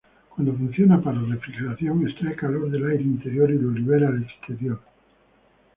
Cuando funciona para refrigeración, extrae calor del aire interior y lo libera al exterior.